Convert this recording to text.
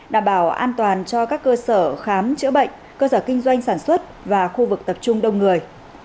đảm bảo an toàn cho các cơ sở khám chữa bệnh cơ sở kinh doanh sản xuất và khu vực tập trung đông người